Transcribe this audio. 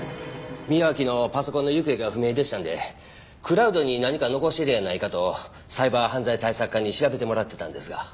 宮脇のパソコンの行方が不明でしたんでクラウドに何か残してるんやないかとサイバー犯罪対策課に調べてもらってたんですが。